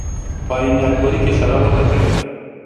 په آیین اکبري کې اشاره ورته کړې ده.